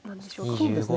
そうですね。